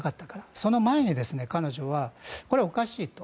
その前に彼女はこれはおかしいと。